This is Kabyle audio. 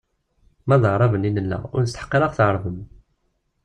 Ma d Aɛraben i nella, ur nesteḥq ad aɣ-tɛerbem.